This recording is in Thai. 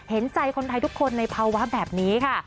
เห็นใจคนไทยทุกคนในภาวะแบบนี้ค่ะ